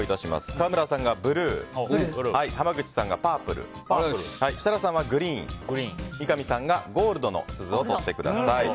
川村さんがブルー濱口さんがパープル設楽さんはグリーン三上さんがゴールドの鈴を取ってください。